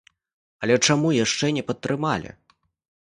Але чаму яшчэ не падтрымалі?